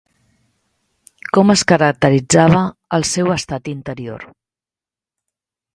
Com es caracteritzava el seu estat interior?